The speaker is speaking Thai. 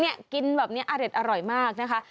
เนี่ยกินแบบนี้อเล็ดอร่อยมากนะคะ